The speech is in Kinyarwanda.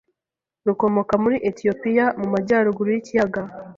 rukomoka muri Etiyopiya mu majyaruguru yikiyaga